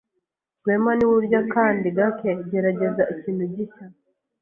Rwema niwe urya kandi gake gerageza ikintu gishya.